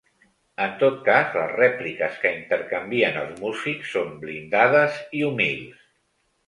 En tot cas, les rèpliques que intercanvien els músics són blindades i humils.